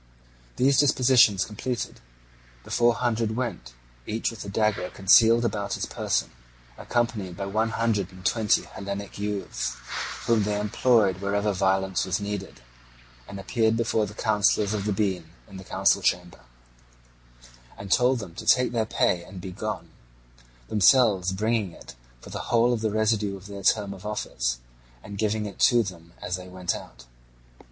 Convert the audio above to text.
These dispositions completed, the Four Hundred went, each with a dagger concealed about his person, accompanied by one hundred and twenty Hellenic youths, whom they employed wherever violence was needed, and appeared before the Councillors of the Bean in the council chamber, and told them to take their pay and be gone; themselves bringing it for the whole of the residue of their term of office, and giving it to them as they went out.